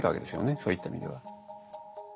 そういった意味では。